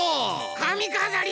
かみかざり！